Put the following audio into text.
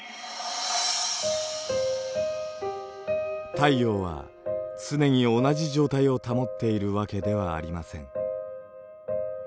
太陽は常に同じ状態を保っているわけではありません。